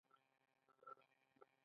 د ژبې خدمت په نړیوال معیار دی.